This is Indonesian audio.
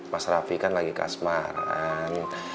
mas raffi kan lagi kesemaran